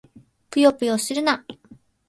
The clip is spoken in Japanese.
ぷよぷよするな！